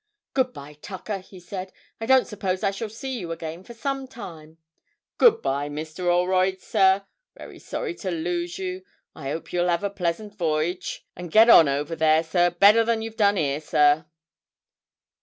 'Good bye, Tucker,' he said, 'I don't suppose I shall see you again for some time.' 'Good bye, Mr. 'Olroyd, sir. Very sorry to lose you. I hope you'll have a pleasant voy'ge, and get on over there, sir, better than you've done 'ere, sir.'